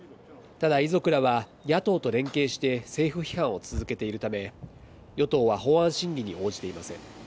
ただ、遺族らは野党と連携して政府批判を続けているため、与党は法案審議に応じていません。